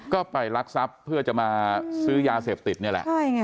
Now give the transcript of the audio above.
ก็ไปรักทรัพย์เพื่อจะมาซื้อยาเสพติดนี่แหละ